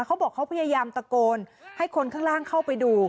เขาบอกเขาพยายามตะโกนให้คนข้างล่างเข้าไปดู